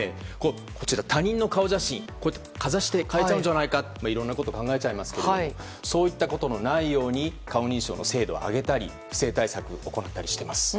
こちら、他人の顔写真をかざして買えちゃうんじゃないかとかいろんなことを考えちゃいますがそういったことのないように顔認証に精度を上げたり不正対策を行ったりしています。